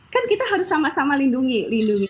kan kita harus sama sama lindungi lindungi